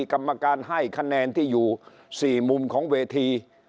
กรรมการให้คะแนนที่อยู่๔มุมของเวที